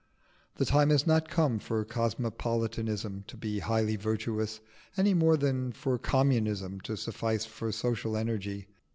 The time is not come for cosmopolitanism to be highly virtuous, any more than for communism to suffice for social energy.